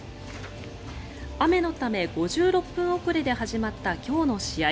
雨のため、５６分遅れで始まった今日の試合。